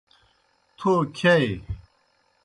تھو کِھیائے۔